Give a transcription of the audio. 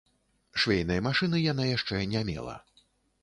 Швейнай машыны яна яшчэ не мела.